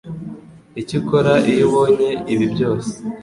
Icyo ukora iyo ubonye ibi byose